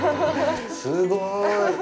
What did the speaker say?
すごい！